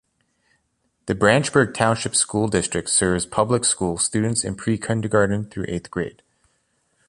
The Branchburg Township School District serves public school students in pre-kindergarten through eighth grade.